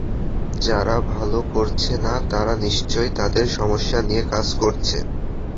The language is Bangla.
যারা ভালো করছে না, তারা নিশ্চয়ই তাদের সমস্যা নিয়ে কাজ করছে।